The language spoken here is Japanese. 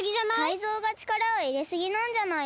タイゾウがちからをいれすぎなんじゃないの？